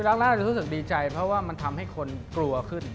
ครั้งแรกรู้สึกดีใจเพราะว่ามันทำให้คนกลัวขึ้น